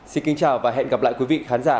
xin kính chào và hẹn gặp lại quý vị khán giả